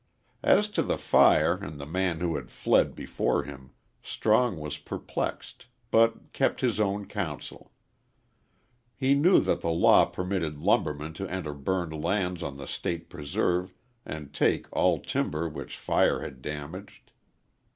As to the fire and the man who had fled before him, Strong was perplexed, but kept his own counsel. He knew that the law permitted lumbermen to enter burned lands on the State preserve and take all timber which fire had damaged.